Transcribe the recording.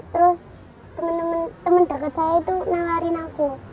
terus teman teman dekat saya itu nawarin aku